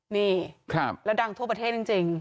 นี่แล้วดังทั่วประเทศจริง